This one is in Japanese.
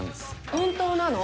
本当なの？